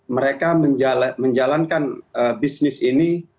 mereka menjalankan bisnis ini